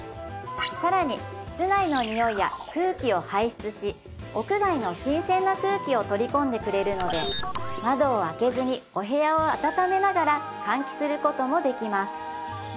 更に室内のにおいや空気を排出し屋外の新鮮な空気を取り込んでくれるので窓を開けずにお部屋を暖めながら換気することもできます